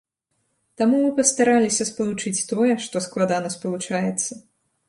Таму мы пастараліся спалучыць тое, што складана спалучаецца.